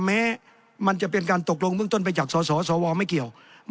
แม้มันจะเป็นการตกลงเบื้องต้นไปจากสสวไม่เกี่ยว